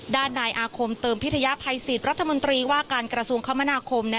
ด้านนายอาคมเติมพิทยาภัยสิทธิ์รัฐมนตรีว่าการกระทรวงคมนาคม